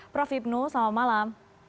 prof hipnunu selamat malam